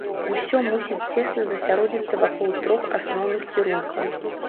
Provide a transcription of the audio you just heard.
Усё мусіць цесна засяродзіцца вакол трох асноўных кірункаў.